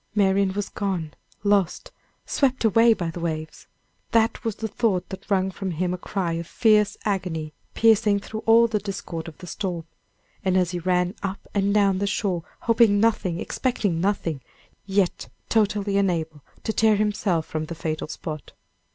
Marian was gone, lost, swept away by the waves! that was the thought that wrung from him a cry of fierce agony, piercing through all the discord of the storm, as he ran up and down the shore, hoping nothing, expecting nothing, yet totally unable to tear himself from the fatal spot.